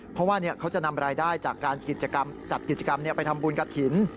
เพราะว่าเขาจะนำรายได้จากการจัดกิจกรรมไปทำบุญกระถิ่น